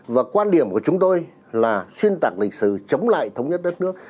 và quan điểm của chúng tôi là xuyên tạc lịch sử chống lại thống nhất đất nước